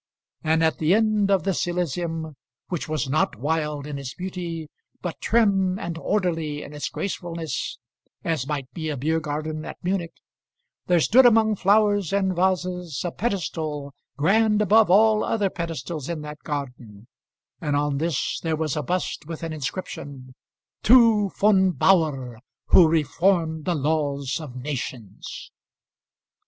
And at the end of this elysium, which was not wild in its beauty, but trim and orderly in its gracefulness, as might be a beer garden at Munich, there stood among flowers and vases a pedestal, grand above all other pedestals in that garden; and on this there was a bust with an inscription: "To Von Bauhr, who reformed the laws of nations."